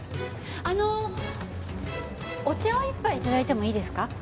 あのお茶を１杯頂いてもいいですか？